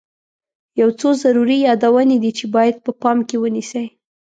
یو څو ضروري یادونې دي چې باید په پام کې ونیسئ.